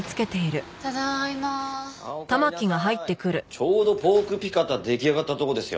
ちょうどポークピカタ出来上がったとこですよ。